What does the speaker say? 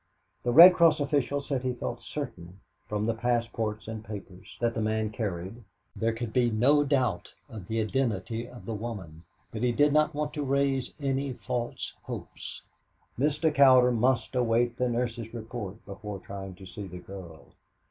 The Red Cross official said he felt certain, from the passports and papers that the man carried, there could be no doubt of the identity of the woman, but he did not want to raise any false hopes. Mr. Cowder must await the nurse's report before trying to see the girl.